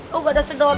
tuh udah sedot